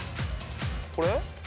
これ？